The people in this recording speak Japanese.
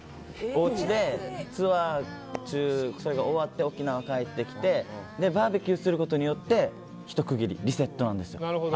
おうちでツアーが終わって沖縄帰ってきてバーベキューすることによってひと区切り、リセットなんです。